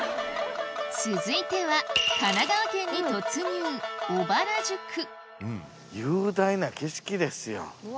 続いては神奈川県に突入小原宿雄大な景色ですよ。